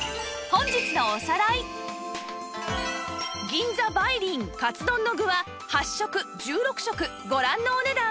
銀座梅林カツ丼の具は８食１６食ご覧のお値段